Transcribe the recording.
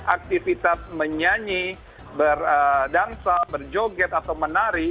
aktivitas menyanyi berdansa berjoget atau menari